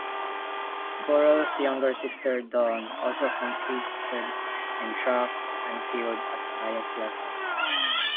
Burrell's younger sister Dawn also competed in track and field at the highest level.